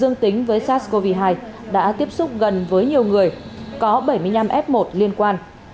dương tính với sars cov hai đã tiếp xúc gần với nhiều người có bảy mươi năm f một liên quan